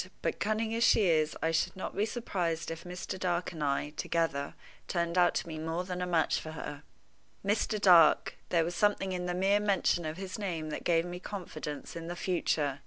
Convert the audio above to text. "But, cunning as she is, I should not be surprised if Mr. Dark and I, together, turned out to be more than a match for her." Mr. Dark! There was something in the mere mention of his name that gave me confidence in the future.